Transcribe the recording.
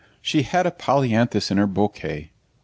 She had a Polyanthus in her bouquet.